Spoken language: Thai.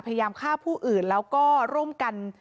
พยายามฆ่าผู้อื่นแล้วก็ร่วมกัน